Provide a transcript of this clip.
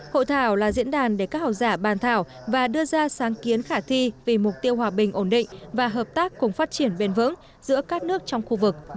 hội thảo là diễn đàn để các học giả bàn thảo và đưa ra sáng kiến khả thi vì mục tiêu hòa bình ổn định và hợp tác cùng phát triển bền vững giữa các nước trong khu vực